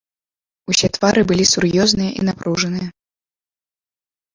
Усе твары былі сур'ёзныя і напружаныя.